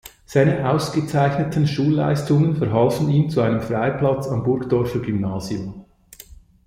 Seine ausgezeichneten Schulleistungen verhalfen ihm zu einem Freiplatz am Burgdorfer Gymnasium.